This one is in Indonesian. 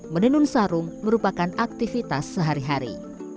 menenun sarung merupakan aktivitas sehari hari